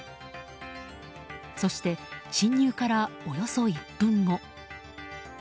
そして侵入から、およそ１分後。